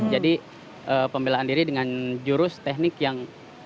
jadi pembelaan diri dengan jurus teknik yang